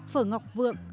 phở ngọc vượng